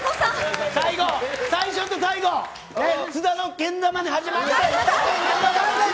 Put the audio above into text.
最初と最後、津田のけん玉で始まって。